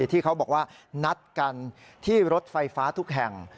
ที่เขาบอกว่านัดกันที่รถไฟฟ้าทุกแห่ง